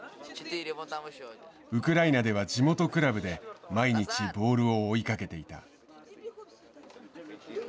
ウクライナでは地元クラブで毎日ボールを追いかけていた。